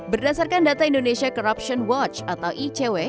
berdasarkan data indonesia corruption watch atau icw